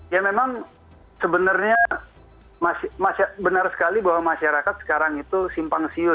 ya memang sebenarnya benar sekali bahwa masyarakat sekarang itu simpang siur